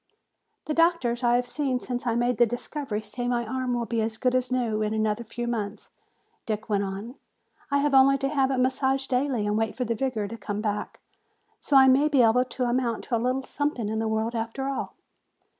"The doctors I have seen since I made the discovery say my arm will be as good as new in another few months," Dick went on. "I have only to have it massaged daily and wait for the vigor to come back. So I may be able to amount to a little something in the world after all.